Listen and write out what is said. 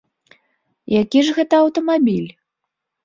Які ж гэта аўтамабіль?